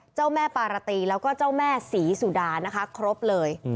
เจ้าแม่ปารตีแล้วก็เจ้าแม่ศรีสุดานะคะครบเลย